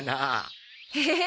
ええ？